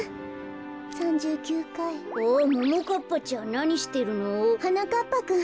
かっぱちゃんなにしてるの？はなかっぱくん。